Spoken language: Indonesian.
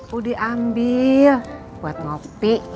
aku diambil buat ngopi